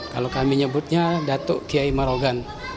kalau kami nyebutnya datuk kiai marogan